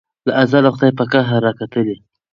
له ازله خدای په قهر را کتلي